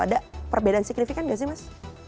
ada perbedaan signifikan nggak sih mas